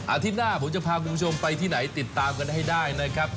ที่หน้าผมจะพาคุณผู้ชมไปที่ไหนติดตามกันให้ได้นะครับ